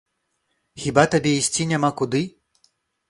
Хіба табе ісці няма куды?